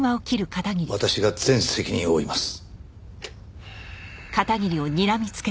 私が全責任を負います。